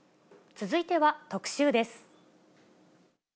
続いては特集です。